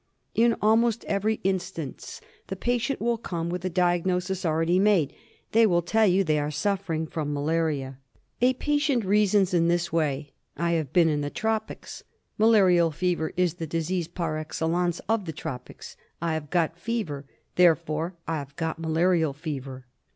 In almost every instance the patients will come with a diagnosis already made. They will tell you they are suffering from " malaria." A patient reasons in this way :" I have been in the tropics. Malarial Fever is the disease par excellence of the tropics. I have got fever ; therefore I have got Malarial Fever."